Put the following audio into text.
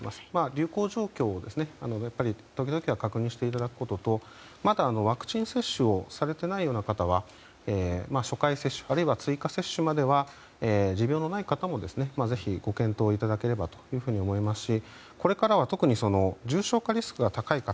流行状況を時々は確認していただくこととまだワクチン接種をされてないような方は初回接種あるいは追加接種までは持病のない方もぜひご検討をいただければと思いますしこれからは特に重症化リスクが高い方。